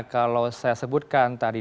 kalau saya sebutkan tadi